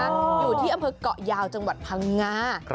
อยู่ที่อำเภอกเกาะยาวจังหวัดพังงา